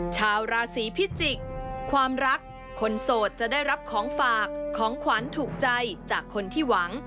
ชาวราศีพิจิกษ์ความรักคนโสดจะได้รับของฝากของขวัญถูกใจจากคนที่หวัง